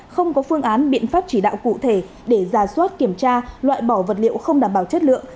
không có phương án biện pháp chỉ đạo cụ thể để giả soát kiểm tra loại bỏ vật liệu không đảm bảo chất lượng